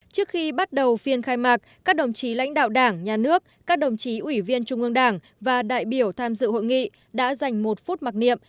trước khi bắt đầu phiên khai mạc các đồng chí lãnh đạo đảng nhà nước các đồng chí ủy viên trung ương đảng và đại biểu tham dự hội nghị đã dành một phút mặc niệm